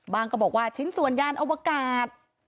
ก็บอกว่าชิ้นส่วนยานอวกาศ